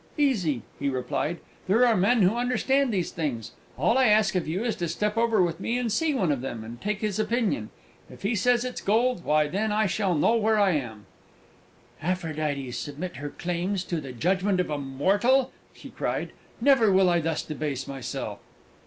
"Easy," he replied: "there are men who understand these things. All I ask of you is to step over with me, and see one of them, and take his opinion; and if he says it's gold why, then I shall know where I am!" "Aphrodite submit her claims to the judgment of a mortal!" she cried. "Never will I thus debase myself!"